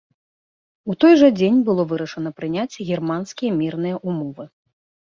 У той жа дзень было вырашана прыняць германскія мірныя ўмовы.